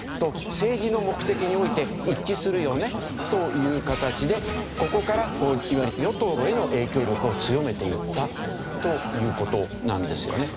政治の目的において一致するよねという形でここからこういわゆる与党への影響力を強めていったという事なんですよね。